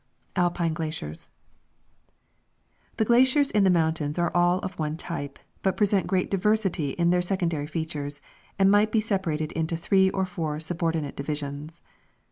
Alpine Glaciers. The glaciers in the mountains are all of one type, but present great diversity in their secondary features, and might be sepa rated into three or four subordinate divisions.